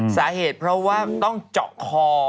สาเหตุเพราะว่าต้องเจาะคอ